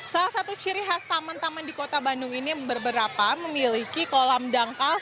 salah satu ciri khas taman taman di kota bandung ini beberapa memiliki kolam dangkal